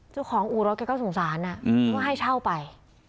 เจ้าของอุรกษ์แกก็สงสารอ่ะอืมว่าให้เช่าไป